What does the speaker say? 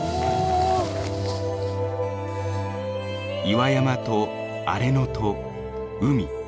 岩山と荒れ野と海。